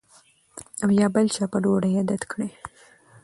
او یا بل چا په ډوډۍ عادت کړی